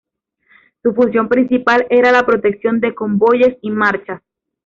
Su función principal era la protección de convoyes y marchas.